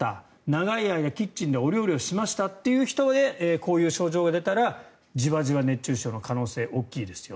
長い間、キッチンでお料理しましたっていう人でこういう症状が出たらじわじわ熱中症の可能性が大きいですよ。